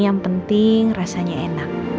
yang penting rasanya enak